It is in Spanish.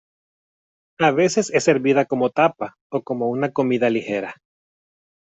A veces es servida como tapa o como una comida ligera.